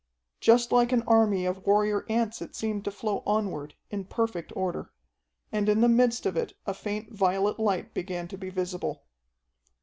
Just like an army of warrior ants it seemed to flow onward, in perfect order. And in the midst of it a faint violet light began to be visible.